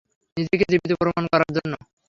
নিজেকে জীবিত প্রমাণ করার জন্য।